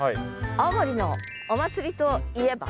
青森のお祭りといえば？